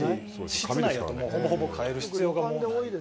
室内やと、もうほぼほぼ替える必要がない。